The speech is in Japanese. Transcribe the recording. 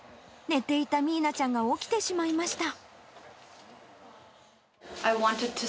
寝ていたミーナちゃんが起きてしまいました。